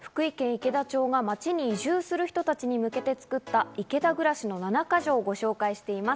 池田町が町に移住する人たちに向けて作った「池田暮らしの七か条」をご紹介しています。